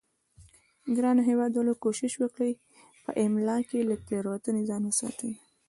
ګرانو هیوادوالو کوشش وکړئ په املا کې له تیروتنې ځان وساتئ